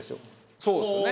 そうですよね。